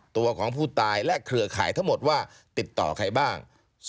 ตัวของผู้ตายและเครือข่ายทั้งหมดว่าติดต่อใครบ้าง